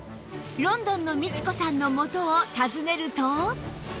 ロンドンのミチコさんの元を訪ねると